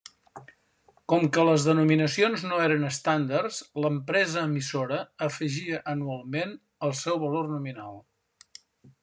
Com que les denominacions no eren estàndards, l'empresa emissora afegia anualment el seu valor nominal.